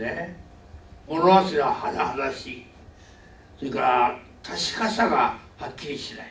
それから確かさがはっきりしない。